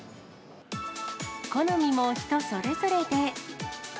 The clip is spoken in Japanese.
好みも人それぞれで。